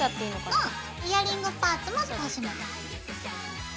うんイヤリングパーツも通します。